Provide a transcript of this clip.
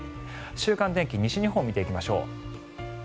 週間の天気、西日本見ていきましょう。